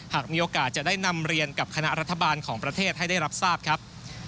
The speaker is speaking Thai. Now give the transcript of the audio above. หากมีโอกาสจะได้นำเรียนกับคณะรัฐบาลของประเทศให้ได้รับทราบครับ